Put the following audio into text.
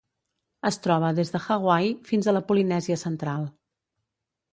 Es troba des de Hawaii fins a la Polinèsia central.